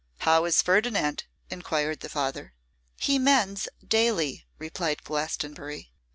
'How is Ferdinand?' enquired the father. 'He mends daily,' replied Glastonbury.